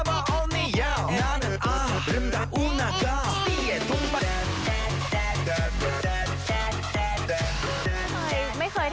ไม่เคยไม่เคยทำให้ผิดหวังจริงนะคะทุกบทลาย